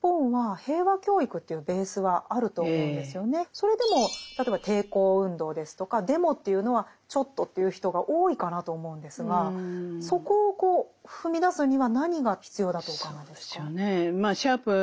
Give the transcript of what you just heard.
それでも例えば抵抗運動ですとかデモというのはちょっとという人が多いかなと思うんですがそこを踏み出すには何が必要だとお考えですか？